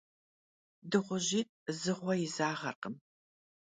Dığujit' zı ğue yizağerkhım.